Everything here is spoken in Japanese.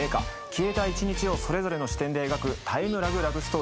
消えた一日をそれぞれの視点で描くタイムラグラブストーリーです。